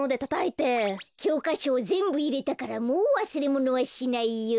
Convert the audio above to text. きょうかしょをぜんぶいれたからもうわすれものはしないよ。